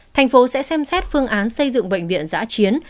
thành phố sẽ xem xét phương án xây dựng bệnh viện giã chiến